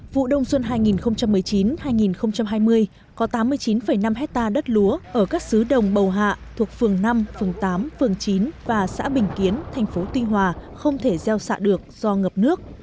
vụ đông xuân hai nghìn một mươi chín hai nghìn hai mươi có tám mươi chín năm hectare đất lúa ở các xứ đồng bầu hạ thuộc phường năm phường tám phường chín và xã bình kiến thành phố tuy hòa không thể gieo xạ được do ngập nước